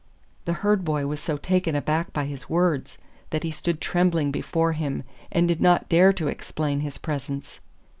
The Herd boy was so taken aback by his words, that he stood trembling before him, and did not dare to explain his presence.